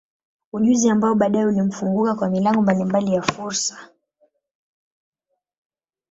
Ujuzi ambao baadaye ulimfunguka kwa milango mbalimbali ya fursa.